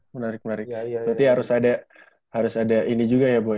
menarik menarik berarti harus ada ini juga ya bu ya